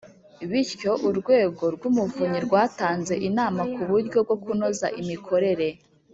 bityo Urwego rw Umuvunyi rwatanze inama ku buryo bwo kunoza imikorere